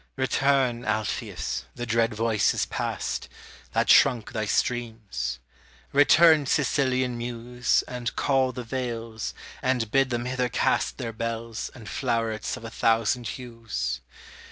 Return, Alpheus, the dread voice is past, That shrunk thy streams; return, Sicilian muse, And call the vales, and bid them hither cast Their bells, and flowerets of a thousand hues.